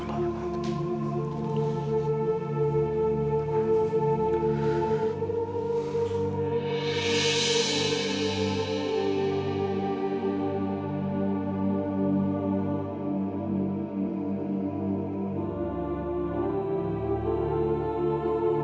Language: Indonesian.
assalamualaikum warahmatullahi wabarakatuh